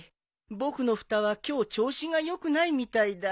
僕のふたは今日調子が良くないみたいだ。